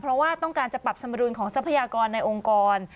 เพราะว่าต้องการจะปรับสมดุลของทรัพยากรในองค์กร